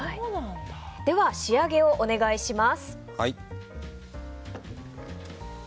では仕上げをお願いします。